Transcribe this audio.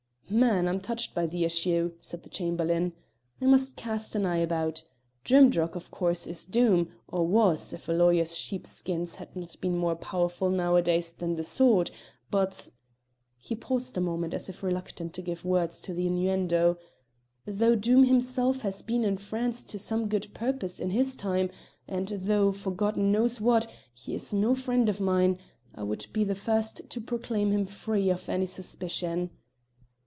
"Man! I'm touched by the issue," said the Chamberlain; "I must cast an eye about. Drimdarroch, of course, is Doom, or was, if a lawyer's sheep skins had not been more powerful nowadays than the sword; but" he paused a moment as if reluctant to give words to the innuendo "though Doom himself has been in France to some good purpose in nis time, and though, for God knows what, he is no friend of mine, I would be the first to proclaim him free of any suspicion."